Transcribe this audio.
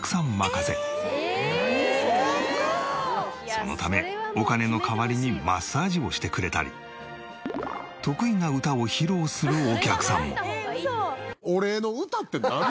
そのためお金の代わりにマッサージをしてくれたり得意な歌を披露するお客さんも。